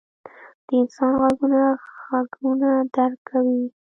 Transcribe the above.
• د انسان غوږونه ږغونه درک کوي.